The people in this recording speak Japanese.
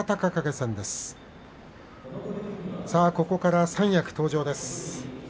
ここから三役登場です。